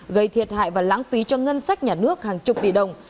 gây thiệt hại và lãng phí cho ngân sách nhà nước hàng chục tỷ đồng